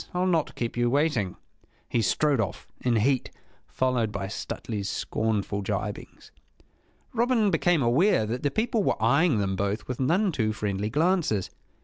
I'll not keep you waiting!" He strode off, in heat, followed by Stuteley's scornful gibings. Robin became aware that the people were eyeing them both with none too friendly glances.